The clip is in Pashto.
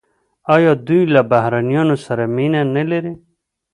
آیا دوی له بهرنیانو سره مینه نلري؟